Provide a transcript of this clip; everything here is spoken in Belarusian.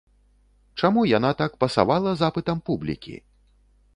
Чаму яна так пасавала запытам публікі?